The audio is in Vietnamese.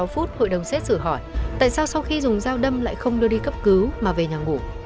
sáu phút hội đồng xét xử hỏi tại sao sau khi dùng dao đâm lại không đưa đi cấp cứu mà về nhà ngủ